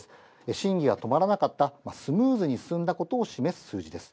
審議が止まらなかった、スムーズに進んだことを示す数字です。